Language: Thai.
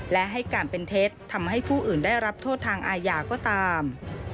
และให้การเป็นเท็จทำให้ผู้อื่นได้รับโทษทางอาญาก็ตาม